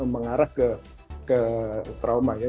mengarah ke trauma ya